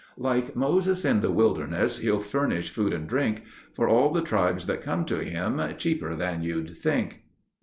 Like Moses in the wilderness, he'll furnish food and drink For all the tribes that come to him—cheaper than you'd think.